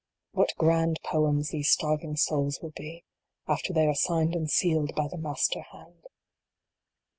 What grand poems these starving souls will be, after they are signed and sealed by the Master hand